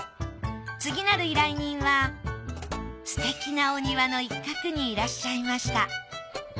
次なる依頼人はすてきなお庭の一角にいらっしゃいました。